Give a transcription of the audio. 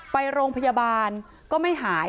ไปโรงพยาบาลก็ไม่หาย